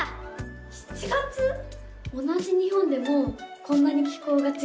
同じ日本でもこんなに気候がちがうんだな。